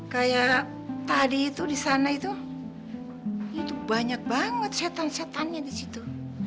kayak tadi itu di sana itu itu banyak banget setan setannya di situ